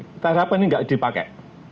kita harapkan ini tidak dipakai